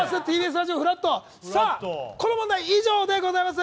この問題は、以上でございます。